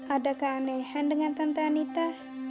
adakah anehan dengan tante anita